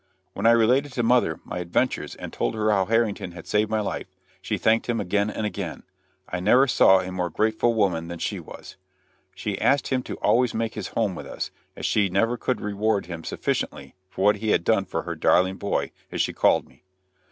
When I related to mother my adventures and told her how Harrington had saved my life, she thanked him again and again. I never saw a more grateful woman than she was. She asked him to always make his home with us, as she never could reward him sufficiently for what he had done for her darling boy, as she called me.